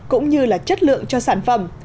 cũng như là chất lượng cho sản phẩm